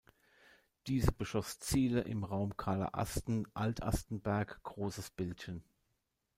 Diese beschoss Ziele im Raum Kahler Asten-Altastenberg-Großes Bildchen.